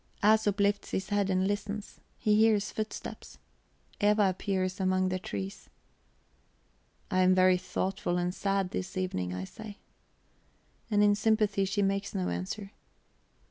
Æsop lifts his head and listens; he hears footsteps; Eva appears among the trees. "I am very thoughtful and sad this evening," I say. And in sympathy she makes no answer.